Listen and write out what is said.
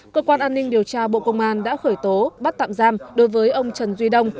cơ quan an ninh điều tra bộ công an đã khởi tố bắt tạm giam đối với ông trần duy đông